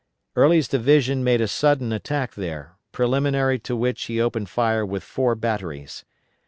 Early's division made a sudden attack there, preliminary to which he opened fire with four batteries.